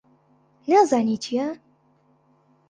نازانی چییە؟